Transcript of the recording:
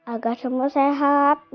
agar semua sehat